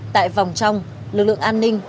tại vòng trong lực lượng an ninh